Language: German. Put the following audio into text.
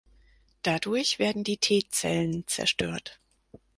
Dadurch werden die T-Zellen zerstört.